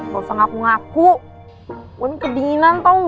gak usah ngaku ngaku gue ini kedinginan tau gak